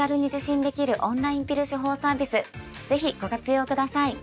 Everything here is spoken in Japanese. ぜひご活用ください。